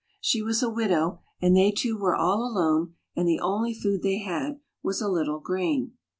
She was a widow, and they two were all alone and the only food they had was a little grain.